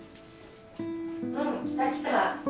うん来た来た。